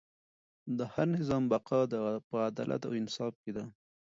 د هر نظام بقا په عدالت او انصاف کې ده.